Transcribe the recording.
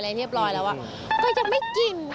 แล้วก็เย็บร้อยแล้วแต่ยังไม่กิน